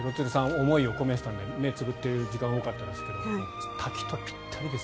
思いを込めていたので目をつぶっていた時間が多かったですが滝とぴったりですよ。